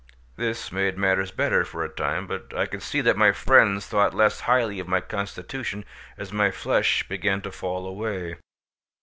This made matters better for a time, but I could see that my friends thought less highly of my constitution as my flesh began to fall away.